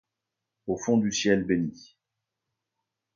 Au fond du ciel béni